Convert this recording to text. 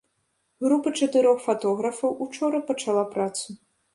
Група чатырох фатографаў учора пачала працу.